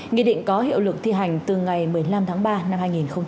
nghị định có hiệu lực thi hành từ ngày một mươi năm tháng ba năm hai nghìn hai mươi